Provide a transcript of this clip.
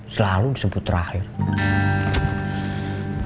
selalu disebut rahim